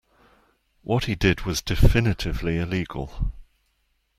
What he did was definitively illegal.